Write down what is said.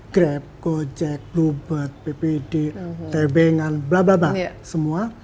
grab gojek bluebird ppd tebengan blablabla semua